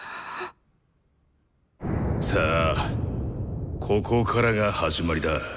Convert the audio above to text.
さあここからが始まりだ。